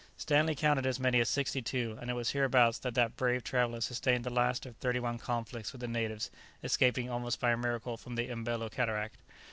Stanley counted as many as sixty two, and it was hereabouts that that brave traveller sustained the last of thirty one conflicts with the natives, escaping almost by a miracle from the Mbelo cataract.